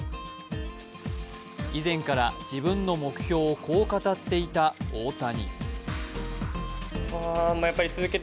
以前から自分の目標をこう語っていた大谷。